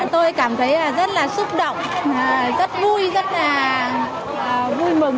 tôi cảm thấy rất là xúc động rất vui rất là vui mừng